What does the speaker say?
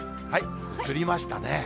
映りましたね。